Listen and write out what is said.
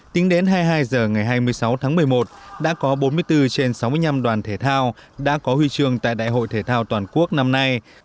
tính đến hai mươi hai h ngày hai mươi sáu tháng một mươi một đã có bốn mươi bốn trên sáu mươi năm đoàn thể thao đã có huy trường tại đại hội thể thao toàn quốc năm nay